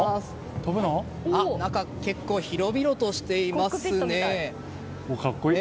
中、結構広々としていますね。